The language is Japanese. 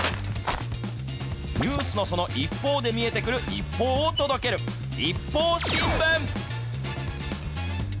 ニュースのその一方で見えてくる一報を届ける、ＩＰＰＯＵ新聞。